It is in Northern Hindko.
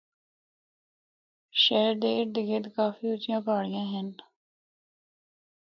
شہر دے ارد گرد کافی اُچیاں پہاڑیاں ہن۔